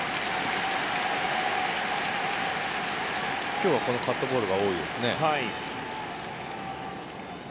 今日はカットボールが多いですね。